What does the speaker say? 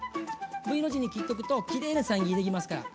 Ｖの字に切っとくときれいなせん切りできますから。